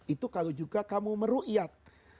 itu kalau juga kamu meruqyat